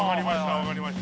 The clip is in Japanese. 分かりました